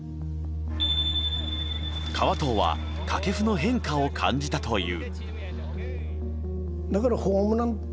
川藤は掛布の変化を感じたという。